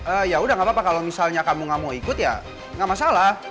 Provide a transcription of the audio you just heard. eee yaudah gapapa kalau misalnya kamu gak mau ikut ya gak masalah